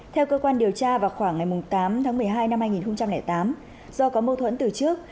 theo cơ quan điều tra vào khoảng ngày tám tháng một mươi hai năm hai nghìn tám do có mâu thuẫn từ trước